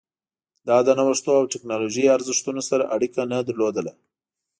دا له نوښتونو او ټکنالوژۍ ارزښتونو سره اړیکه نه لرله